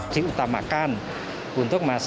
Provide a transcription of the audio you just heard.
kita utamakan untuk mahasiswa